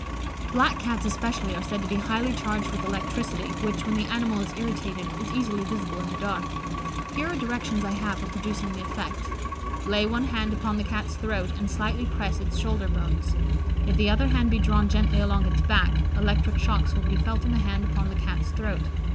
Black Cats especially are said to be highly charged with electricity, which, when the animal is irritated, is easily visible in the dark. Here are directions I have for producing the effect: Lay one hand upon the Cat's throat, and slightly press its shoulder bones. If the other hand be drawn gently along its back, electric shocks will be felt in the hand upon the Cat's throat.